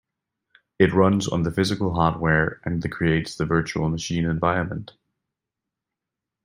It runs on the physical hardware, and creates the virtual machine environment.